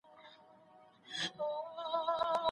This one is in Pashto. دغه مبارک روايت أم المؤمنين عائشة صديقه چا ته کړی دی؟